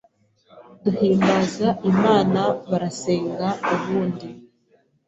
duhimbaza Imana barasenga ubundi